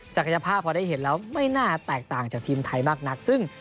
ภาพพอได้เห็นแล้วไม่น่าแตกต่างจากทีมไทยมากนักซึ่ง